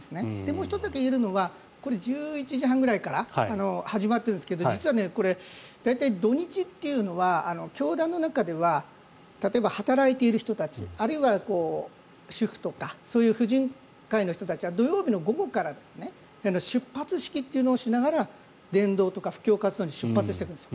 もう１つだけ言えるのは１１時半ぐらいから始まってますが実はこれ、大体土日というのは教団の中では例えば、働いている人たちあるいは主婦とかそういう婦人会の人たちは土曜日の午後から出発式というのをしながら伝道とか布教活動に出発していくんです。